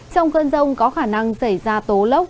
trong cơn rông có khả năng xảy ra tố lốc